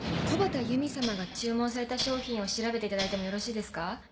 木幡由実様が注文された商品を調べていただいてもよろしいですか？